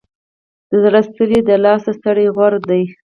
د زړه له ستړې، د لاس ستړې غوره ده.